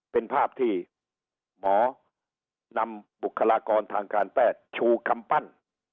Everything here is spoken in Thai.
เป็นภาพที่หมอนำบุคลากรทางการแพทย์ชูกำปั้น